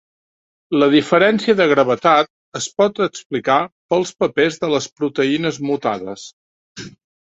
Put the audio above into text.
La diferència de gravetat es pot explicar pels papers de les proteïnes mutades.